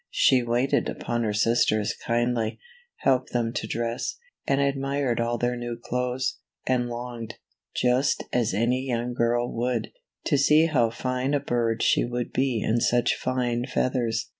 She waited upon her sisters kindly, helped them to dress, and admired all their new clothes, and longed, just as any young girl would, to see how fine a bird she would be in such fine feathers.